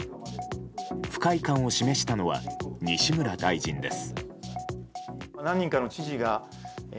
不快感を示したのは西村大臣です。